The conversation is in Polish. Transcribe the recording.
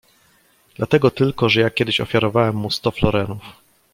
"Dlatego tylko, że ja kiedyś ofiarowałem mu sto florenów."